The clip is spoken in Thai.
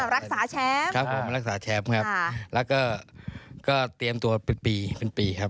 รักษาแชมป์ครับผมรักษาแชมป์ครับแล้วก็ก็เตรียมตัวเป็นปีเป็นปีครับ